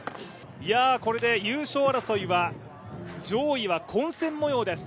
これで優勝争いは上位は混戦模様です。